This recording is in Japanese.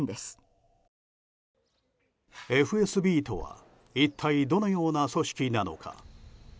ＦＳＢとは一体どのような組織なのか。